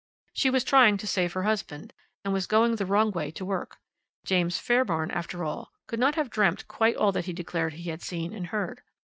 "She was trying to save her husband, and was going the wrong way to work. James Fairbairn, after all, could not have dreamt quite all that he declared he had seen and heard.